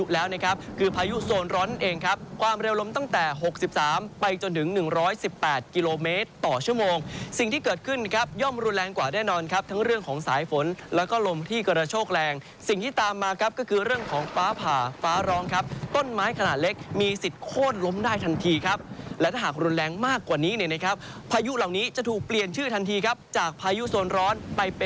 แล้วนะครับคือพายุโซนร้อนเองครับความเร็วล้มตั้งแต่๖๓ไปจนถึง๑๑๘กิโลเมตรต่อชั่วโมงสิ่งที่เกิดขึ้นครับย่อมรุนแรงกว่าแน่นอนครับทั้งเรื่องของสายฝนแล้วก็ลมที่กระโชคแรงสิ่งที่ตามมาครับก็คือเรื่องของฟ้าผ่าฟ้าร้องครับต้นไม้ขนาดเล็กมีสิทธิ์โคตรล้มได้ทันทีครับและถ้าหากรุนแร